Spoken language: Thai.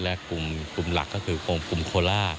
และกลุ่มหลักก็คือกลุ่มโคล่า